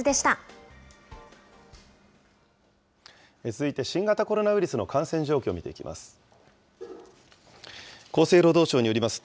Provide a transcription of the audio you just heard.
続いて新型コロナウイルスの感染状況を見ていきます。